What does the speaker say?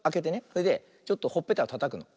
それでちょっとほっぺたをたたくの。